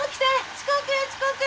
遅刻よ遅刻！